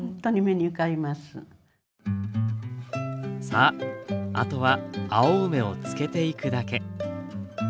さああとは青梅を漬けていくだけ。